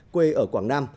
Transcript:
quê ở quảng nam